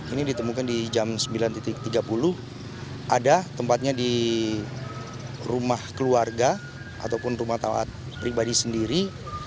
ini ditemukan di jam sembilan tiga puluh ada tempatnya di rumah keluarga ataupun rumah taat pribadi sendiri